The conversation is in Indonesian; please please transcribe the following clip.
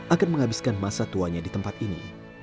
akan menghabiskan masa tuanya di tempat ini